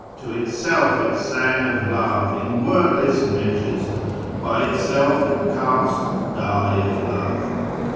To Itself it sang of love In wordless measures. By Itself it cast The die of love.